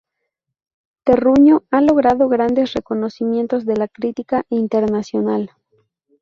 Terruño, ha logrado grandes reconocimientos de la crítica internacional.